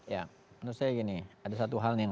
ya menurut saya gini ada satu hal yang